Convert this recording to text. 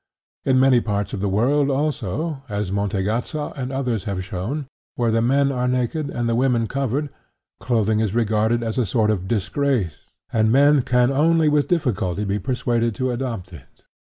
In many parts of the world, also, as Mantegazza and others have shown, where the men are naked and the women covered, clothing is regarded as a sort of disgrace, and men can only with difficulty be persuaded to adopt it.